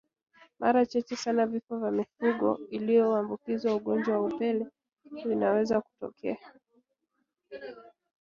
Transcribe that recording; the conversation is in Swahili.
Mara chache sana vifo vya mifugo iliyoambukizwa ugonjwa wa upele vinaweza kutokea